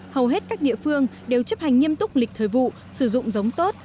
hầu hết các địa phương đều chấp hành nghiêm túc lịch thời vụ sử dụng giống tốt